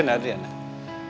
kenapa kamu datang terlambat